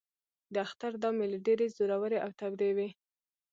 د اختر دا مېلې ډېرې زورورې او تودې وې.